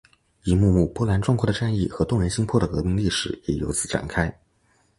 一幕幕波澜壮阔的战役和动人心魄的革命历史也由此展开。